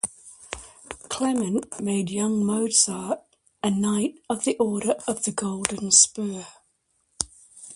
Clement made young Mozart a knight of the Order of the Golden Spur.